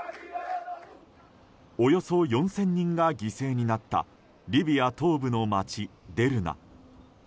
およそ４０００人が犠牲になったリビア東部の町デルナ。